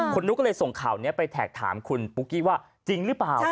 คุณนุ๊กก็เลยส่งข่าวนี้ไปแท็กถามคุณปุ๊กกี้ว่าจริงหรือเปล่า